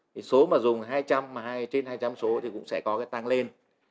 thì số mà dùng hai trăm linh trên hai trăm linh số thì cũng sẽ có cái tăng lên